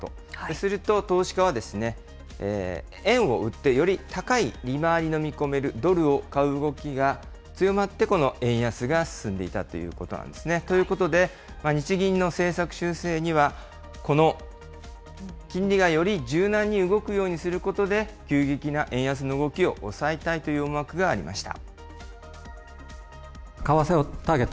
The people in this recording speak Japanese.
すると投資家は、円を売って、より高い利回りの見込めるドルを買う動きが強まって、この円安が進んでいたということなんですね。ということで、日銀の政策修正には、この金利がより柔軟に動くようにすることで、急激な円安の動きを抑えたいという思惑がありました。